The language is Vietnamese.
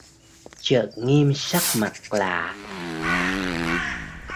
Chợt nghiêm sắc mặt lạ